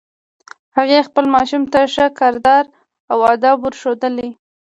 هغې خپل ماشوم ته ښه کردار او ادب ور ښوولی